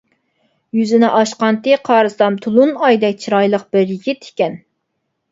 يۈزىنى ئاچقانتى قارىسام تولۇن ئايدەك چىرايلىق بىر يىگىت ئىكەن.